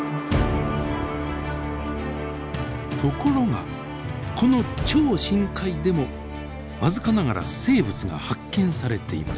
ところがこの超深海でも僅かながら生物が発見されています。